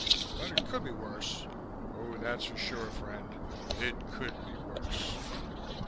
But it could be worse. Oh, that's for sure, friend: It could be worse."